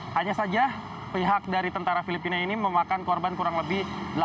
hanya saja pihak dari tentara filipina ini memakan korban kurang lebih